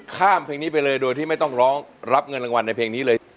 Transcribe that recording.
ข้ามเพลงนี้ไปเลยโดยที่ไม่ต้องร้องรับเงินรางวัลในเพลงนี้เลย